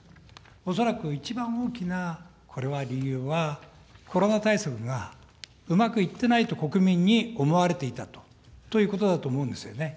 恐らく一番大きな、これは理由は、コロナ対策がうまくいってないと、国民に思われていたということだと思うんですよね。